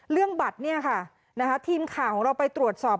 บัตรเนี่ยค่ะทีมข่าวของเราไปตรวจสอบ